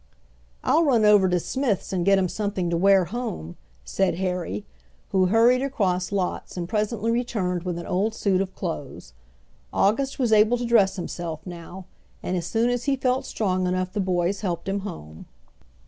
"I'll run over to Smith's and get him something to wear home," said Harry, who hurried across lots and presently returned with an old suit of clothes. August was able to dress himself now, and as soon as he felt strong enough the boys helped him home.